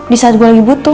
di saat gue lagi butuh